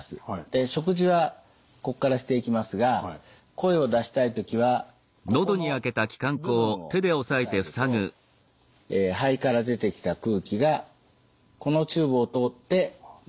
で食事はここからしていきますが声を出したい時はここの部分を押さえると肺から出てきた空気がこのチューブを通って喉に回ります。